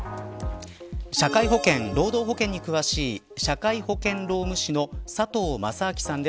社会保険、労働保険に詳しい社会保険労務士の佐藤正明さんです。